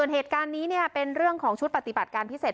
เหตุการณ์นี้เนี่ยเป็นชุดปฏิบัติการพิเศษ